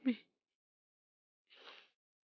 bawah yang nangis